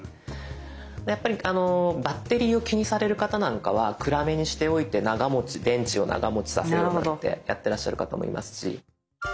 やっぱりバッテリーを気にされる方なんかは暗めにしておいて長持ち電池を長持ちさせようってやってらっしゃる方もいますし。